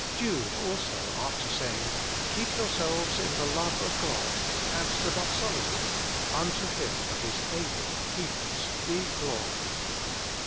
1 Jude also, after saying, " Keep yourselves in the love of God," adds the doxology: " Unto Him that is able to keep us be glory."